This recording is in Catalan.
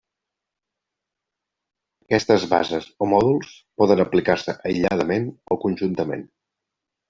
Aquestes bases o mòduls poden aplicar-se aïlladament o conjuntament.